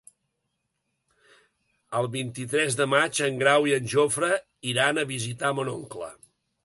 El vint-i-tres de maig en Grau i en Jofre iran a visitar mon oncle.